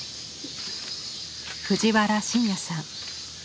藤原新也さん。